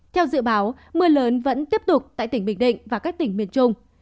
theo dự báo mưa lớn vẫn tiếp tục tại tỉnh bình định và các tỉnh miền trung